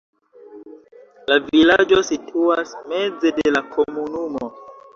La vilaĝo situas meze de la komunumo.